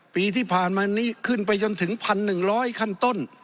ปีที่ผ่านมานี้ขึ้นไปจนถึง๑๑๐๐ขั้นต้น